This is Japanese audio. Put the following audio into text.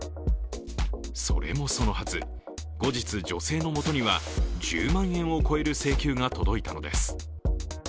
それもそのはず、後日、女性のもとに１０万円を超える請求が届いたのです。